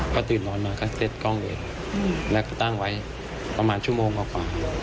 พอตื่นนอนมาก็เซ็ตกล้องเองแล้วก็ตั้งไว้ประมาณชั่วโมงกว่า